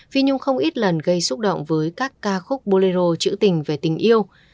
phi nhung không ít lần gây xúc động với các ca khúc bolero chữ tình về tình yêu